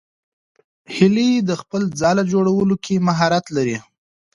هیلۍ د خپل ځاله جوړولو کې مهارت لري